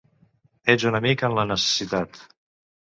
Ets un amic en la necessitat.